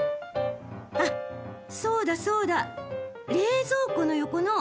あっそうだそうだ。